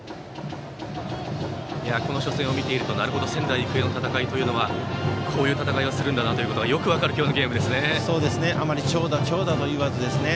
この初戦を見ているとなるほど仙台育英の戦いというのはこういう戦いをするんだなというのがよく分かる今日のゲームですね。